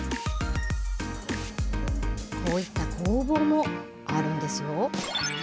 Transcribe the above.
こういった工房もあるんですよ。